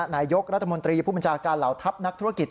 นายกรัฐมนตรีผู้บัญชาการเหล่าทัพนักธุรกิจ